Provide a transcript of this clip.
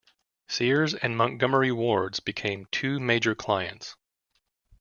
Sears and Montgomery Wards became two major clients.